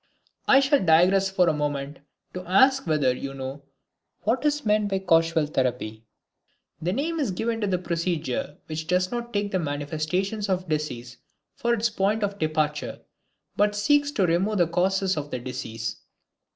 I shall digress for a moment to ask whether you know what is meant by a causal therapy? This name is given to the procedure which does not take the manifestations of disease for its point of departure, but seeks to remove the causes of disease.